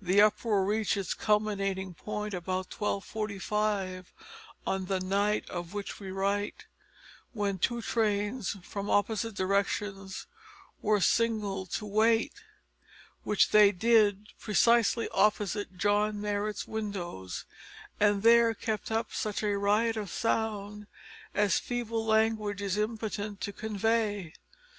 The uproar reached its culminating point about 12:45, on the night of which we write, when two trains from opposite directions were signalled to wait, which they did precisely opposite John Marrot's windows, and there kept up such a riot of sound as feeble language is impotent to convey.